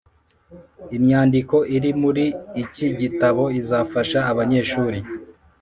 Imyandiko iri muri iki gitabo izafasha abanyeshuri